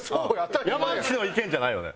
山内の意見じゃないよね？